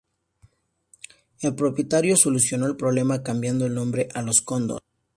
El propietario solucionó el problema cambiando el nombre a los Condors.